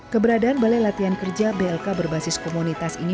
keberadaan balai latihan kerja blk berbasis komunitas ini